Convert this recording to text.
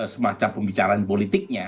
semacam pembicaraan politiknya